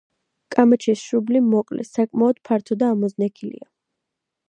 კამეჩის შუბლი მოკლე, საკმაოდ ფართო და ამოზნექილია.